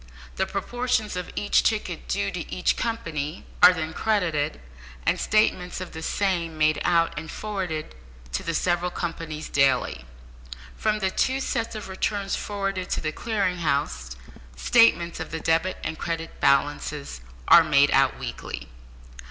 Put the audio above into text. The proportions of each ticket due to each company are then credited, and statements of the same made out and forwarded to the several companies daily. From the two sets of returns forwarded to the Clearing House, statements of the debit and credit balances are made out weekly.